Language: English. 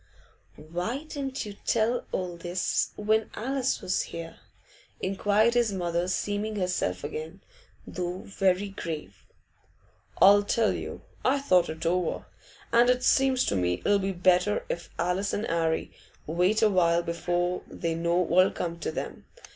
'Why didn't you tell all this when Alice was here?' inquired his mother, seeming herself again, though very grave. 'I'll tell you. I thought it over, and it seems to me it'll be better if Alice and 'Arry wait a while before they know what'll come to them.